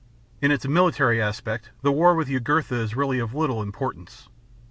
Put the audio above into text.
In its military aspect the war with Jugurtha is really of little importance.